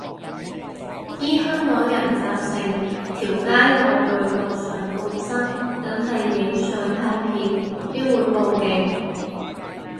依香港人習性，條街有女露上半身梗係影相拍片，邊會報警